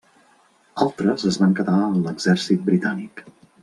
Altres es van quedar en l'exèrcit britànic.